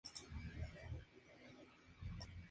Peleó con dicha unidad en las insurrecciones de Kościuszko.